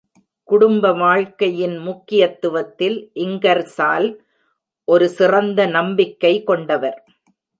குடும்ப வாழ்க்கையின் முக்கியத்துவத்தில் இங்கர்சால் ஒரு சிறந்த நம்பிக்கை கொண்டவர்.